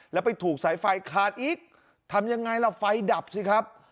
แล้วไปถูกสายไฟขาดอีกทำยังไงล่ะไฟดับสิครับ